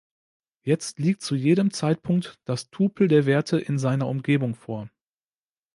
Jetzt liegt zu jedem Zeitpunkt das Tupel der Werte in seiner Umgebung vor.